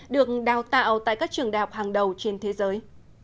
được đào tạo tại các trường đại học hàng đầu trên thế giới